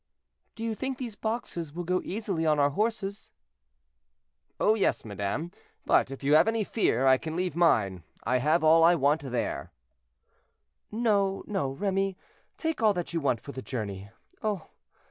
"Do you think these boxes will go easily on our horses?" "Oh! yes, madame, but if you have any fear, I can leave mine; I have all I want there." "No, no, Remy, take all that you want for the journey. Oh!